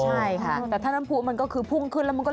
ใช่ค่ะแต่ถ้าน้ำผู้มันก็คือพุ่งขึ้นแล้วมันก็